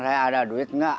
saya ada duit enggak